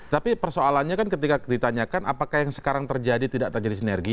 tapi persoalannya kan ketika ditanyakan apakah yang sekarang terjadi tidak terjadi sinergi